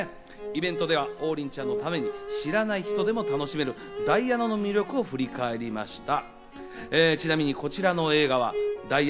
イベントでは王林ちゃんのために知らない人でも楽しめるダイアナの魅力を振り返りました。